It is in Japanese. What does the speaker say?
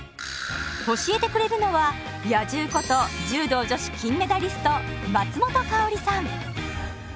教えてくれるのは「野獣」こと柔道女子金メダリスト松本薫さん。